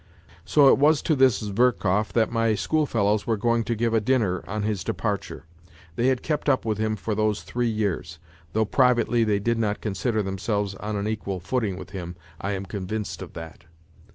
So it was to this Zverkov that my schoolfellows were going to give a dinner on his departure. They had kept up with him for those three years, though privately they did not consider them selves on an equal footing with him, I am convinced of that.